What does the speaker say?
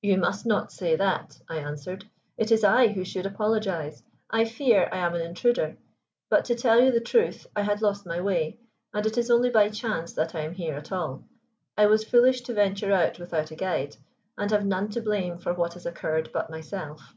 "You must not say that," I answered. "It is I who should apologize. I fear I am an intruder. But to tell you the truth I had lost my way, and it is only by chance that I am here at all. I was foolish to venture out without a guide, and have none to blame for what has occurred but myself."